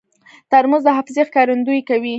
ترموز د حافظې ښکارندویي کوي.